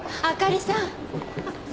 あかりさん！